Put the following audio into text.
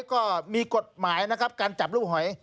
ก็มีกฎหมายนะครับการจับลูกหอย